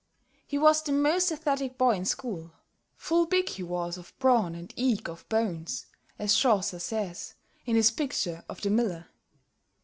He was the most athletic boy in school. "Full big he was of brawn and eke of bones," as Chaucer says, in his picture of the Miller.